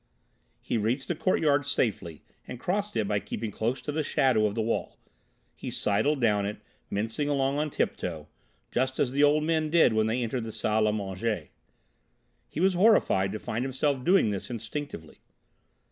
He reached the courtyard safely and crossed it by keeping close to the shadow of the wall. He sidled down it, mincing along on tiptoe, just as the old men did when they entered the salle à manger. He was horrified to find himself doing this instinctively.